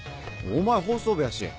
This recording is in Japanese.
お前放送部やし。